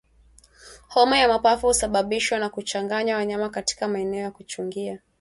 Homa ya mapafu husababishwa na kuchanganya wanyama katika maeneo ya kuchungia